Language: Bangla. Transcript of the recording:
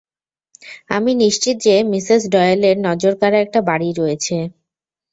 আমি নিশ্চিত যে মিসেস ডয়েলের নজরকাড়া একটা বাড়ি রয়েছে।